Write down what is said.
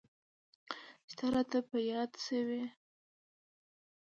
چي ته را په ياد سوې.